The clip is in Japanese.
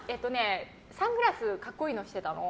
サングラス格好いいのしてたの。